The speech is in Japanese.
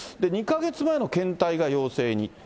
２か月前の検体が陽性に。